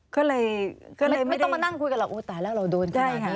ก็เลยไม่ต้องมานั่งคุยกันหรอกโอ้ตายแล้วเราโดนขนาดนี้